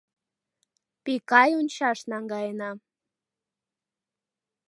Пикай ончаш наҥгаена.